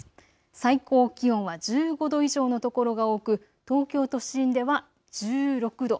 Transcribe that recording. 最高気温は１５度以上の所が多く東京都心では１６度。